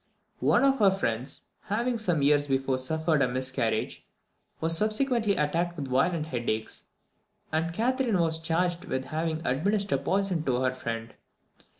One of her friends having some years before suffered a miscarriage, was subsequently attacked with violent headaches, and Catherine was charged with having administered poison to her friend.